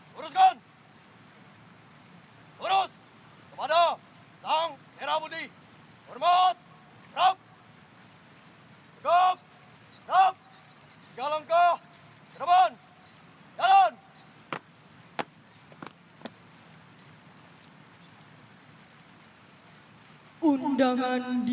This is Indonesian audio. beri tanggung jawab